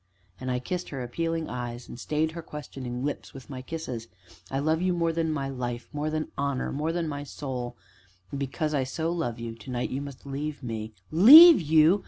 And I kissed her appealing eyes, and stayed her questioning lips with my kisses. "I love you more than my life more than honor more than my soul; and, because I so love you to night you must leave me " "Leave you?